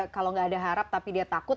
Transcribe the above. kalau nggak ada harap tapi dia takut